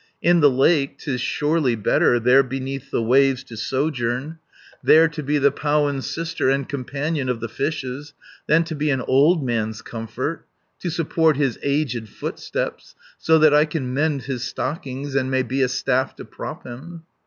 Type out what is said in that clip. In the lake 'tis surely better There beneath the waves to sojourn, There to be the powan's sister. And companion of the fishes, 250 Than to be an old man's comfort. To support his aged footsteps, So that I can mend his stockings, And may be a staff to prop him."